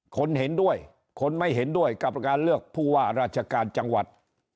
คนเห็นด้วยคนไม่เห็นด้วยกับการเลือกผู้ว่าราชการจังหวัด